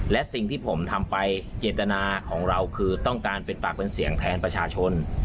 และสิ่งที่ผมทำไปเจตนาของเราคือต้องการเป็นปากเป็นเสียงแทนประชาชน